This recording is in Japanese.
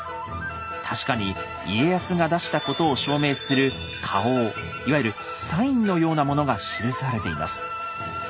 確かに家康が出したことを証明する花押いわゆるサインのようなものが記されています。